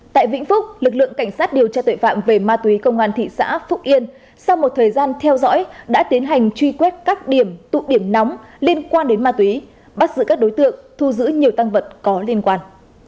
tại vĩnh phúc lực lượng cảnh sát điều tra tội phạm về ma túy công an thị xã phúc yên sau một thời gian theo dõi đã tiến hành truy quét các điểm tụ điểm nóng liên quan đến ma túy bắt giữ các đối tượng thu giữ nhiều tăng vật có liên quan